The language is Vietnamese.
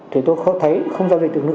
thì tôi thấy không giao dịch được nữa